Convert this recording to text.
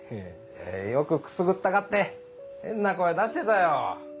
よくくすぐったがって変な声出してたよ。